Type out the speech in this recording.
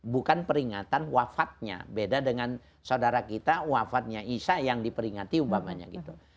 bukan peringatan wafatnya beda dengan saudara kita wafatnya isya yang diperingati umpamanya gitu